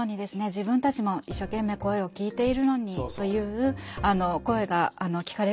自分たちも一生懸命声を聴いているのにという声が聞かれることもあります。